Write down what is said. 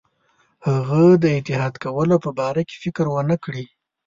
هغه د اتحاد کولو په باره کې فکر ونه کړي.